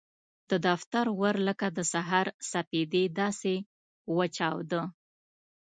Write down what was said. د دفتر ور لکه د سهار سپېدې داسې وچاوده.